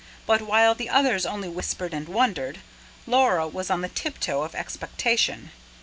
But, while the others only whispered and wondered, Laura was on the tiptoe of expectation.